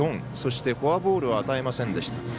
そしてフォアボールを与えませんでした。